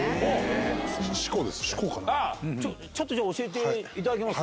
ちょっと教えていただけます？